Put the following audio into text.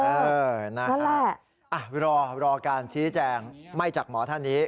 เออนะฮะรอการชี้แจงไม่จากหมอท่านนี้